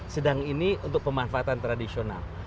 sedang ini untuk pemanfaatan tradisional